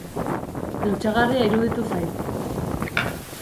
Lotsagarria iruditu zait